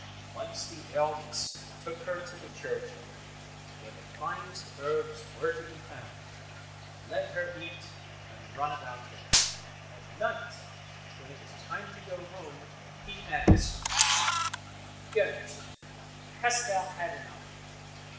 Once the eldest took her to the churchyard, where the finest herbs were to be found, and let her eat and run about there. At night when it was time to go home he asked, "Goat, hast thou had enough?"